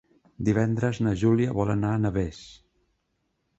Divendres na Júlia vol anar a Navès.